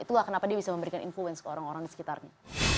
itulah kenapa dia bisa memberikan influence ke orang orang di sekitarnya